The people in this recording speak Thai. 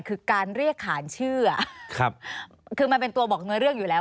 คือการเรียกขานเชื่อคือมันเป็นตัวบอกเนื้อเรื่องอยู่แล้ว